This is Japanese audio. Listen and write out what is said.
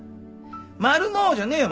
「マルモ」じゃねえよ